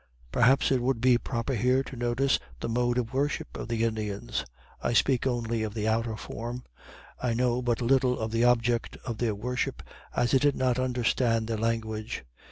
Perhaps it would be proper here to notice the mode of worship of the Indians. I speak only of the outer form: I know but little of the object of their worship as I did not understand their language.